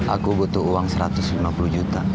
aku butuh uang satu ratus lima puluh juta